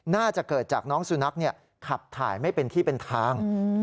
น่าจะเกิดจากน้องสุนัขขับถ่ายไม่เป็นที่เป็นทาง